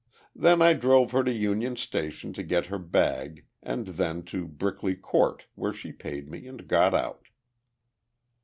Then I drove her to Union Station to get her bag, and then to Brickley Court, where she paid me and got out."